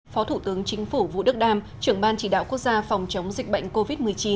phó thủ tướng chính phủ vũ đức đam trưởng ban chỉ đạo quốc gia phòng chống dịch bệnh covid một mươi chín